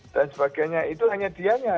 dan sebagainya itu hanya dia